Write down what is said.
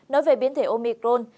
nói về biến thể omicron